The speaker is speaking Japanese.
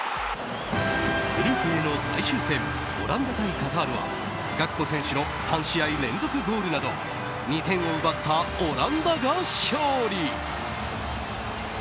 グループＥの最終戦オランダ対カタールはガクポ選手の３試合連続ゴールなど２点を奪ったオランダが勝利。